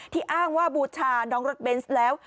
อ้างว่าบูชาน้องรถเบนส์แล้ว